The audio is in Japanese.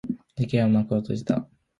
事件は幕を閉じた。